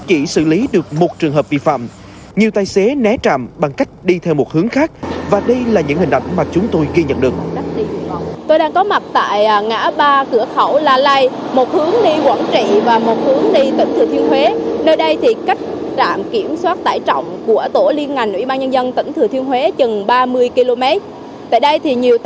về đây thì nhiều tài xế đã chọn cách né trạm kiểm soát bằng cách đi đường vòng qua huyện đa cờ rồng của tỉnh quảng trị